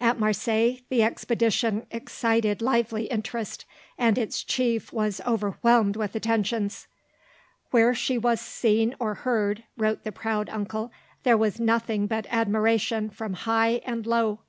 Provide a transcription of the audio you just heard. At Marseilles the expedition excited lively interest, and its Chief was overwhelmed with attentions: "Where she was seen or heard," wrote the proud uncle, "there was nothing but admiration from high and low.